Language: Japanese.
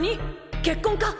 結婚か？